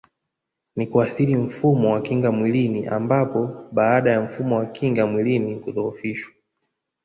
Ni kuathiri mfumo wa kinga mwilini ambapo baada ya mfumo wa kinga mwilini kudhohofishwa